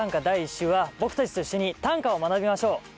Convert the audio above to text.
第１週は僕たちと一緒に短歌を学びましょう。